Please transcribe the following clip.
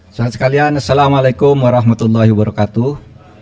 selamat sekalian assalamualaikum warahmatullahi wabarakatuh